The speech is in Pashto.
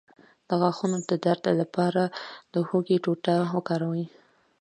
د غاښونو د درد لپاره د هوږې ټوټه وکاروئ